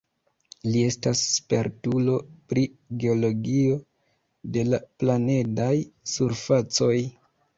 Li estas spertulo pri geologio de la planedaj surfacoj.